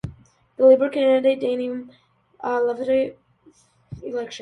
The Labour candidate Damien Egan became mayor of Lewisham in the concurrent mayoral election.